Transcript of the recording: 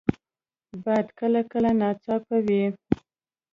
باد کله کله ناڅاپي وي